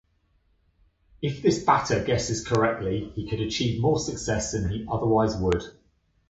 If this batter guesses correctly, he could achieve more success than he otherwise would.